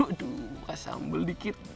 aduh kasih sambal dikit